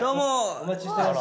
お待ちしてました。